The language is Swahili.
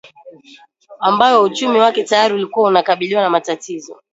ambayo uchumi wake tayari ulikua unakabiliwa na matatizo